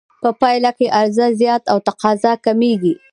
په پایله کې عرضه زیاته او تقاضا کمېږي